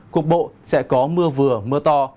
cục bộ sẽ có mưa vừa mưa to